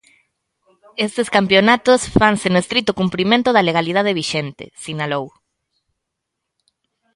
Estes campionatos fanse no estrito cumprimento da legalidade vixente, sinalou.